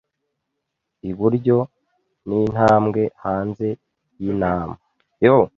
iburyo, n'intambwe hanze y'inama. ”